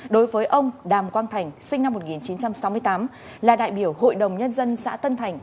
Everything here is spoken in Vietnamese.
đối với ông đàm quang thành sinh năm một nghìn chín trăm sáu mươi tám là đại biểu hội đồng nhân dân xã tân thành